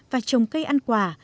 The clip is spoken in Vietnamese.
và trồng cây ăn quả